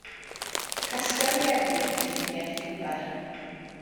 Casgliad o gerddi gyda lluniau lliwgar.